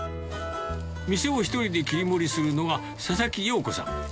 店を一人で切り盛りするのは、佐々木洋子さん。